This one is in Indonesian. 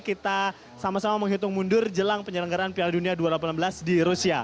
kita sama sama menghitung mundur jelang penyelenggaraan piala dunia dua ribu delapan belas di rusia